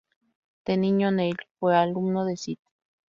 De niño, Neil fue alumno de St.